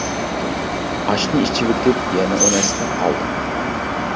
ئاشنى ئىچىۋېتىپ يەنە ئۇنى ئەسلەپ قالدىم.